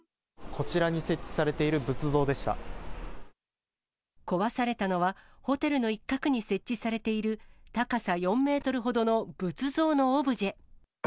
こちらに設置されている仏像壊されたのは、ホテルの一角に設置されている、高さ４メートルほどの仏像のオブジェ。